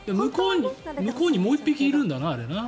向こうにもう１匹いるんだな。